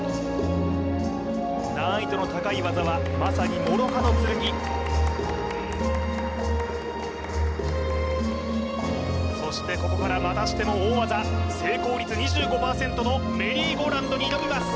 難易度の高い技はまさにもろ刃の剣そしてここからまたしても大技成功率２５％のメリーゴーランドに挑みます